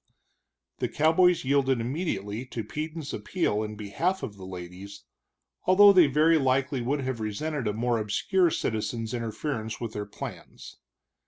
The cowboys yielded immediately to Peden's appeal in behalf of the ladies, although they very likely would have resented a more obscure citizen's interference with their plans.